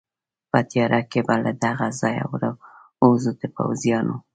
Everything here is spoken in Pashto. په تېاره کې به له دغه ځایه ووځو، د پوځیانو.